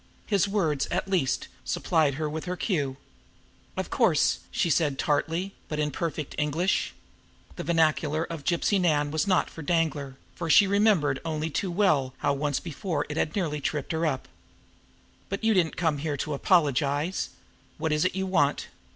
His words, at least, supplied her with her cue. "Of course!" she said tartly, but in perfect English the vernacular of Gypsy Nan was not for Danglar, for she remembered only too well how once before it had nearly tripped her up. "But you didn't come here to apologize! What is it you want?"